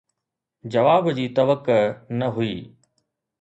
جواب جي توقع نه هئي.